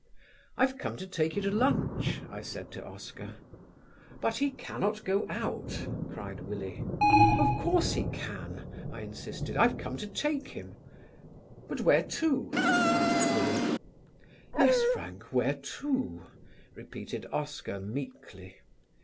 "I've come to take you to lunch," I said to Oscar. "But he cannot go out," cried Willie. "Of course he can," I insisted, "I've come to take him." "But where to?" asked Willie. "Yes, Frank, where to?" repeated Oscar meekly.